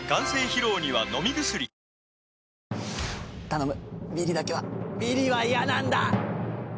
頼むビリだけはビリは嫌なんだ！